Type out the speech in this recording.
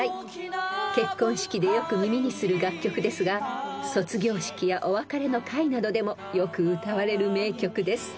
［結婚式でよく耳にする楽曲ですが卒業式やお別れの会などでもよく歌われる名曲です］